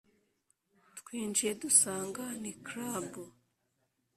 twinjiye dusanga ni 'club'.”